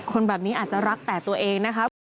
แบบนี้อาจจะรักแต่ตัวเองนะครับ